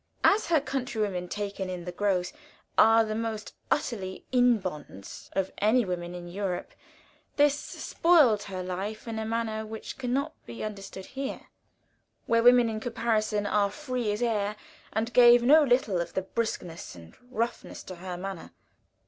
As her countrywomen taken in the gross are the most utterly "in bonds" of any women in Europe, this spoiled her life in a manner which can not be understood here, where women in comparison are free as air, and gave no little of the brusqueness and roughness to her manner.